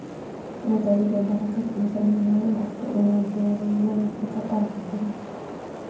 د مطالعې په برکت انسان د نړۍ د سترو نابغانو په کتار کې درېږي.